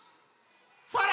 それ！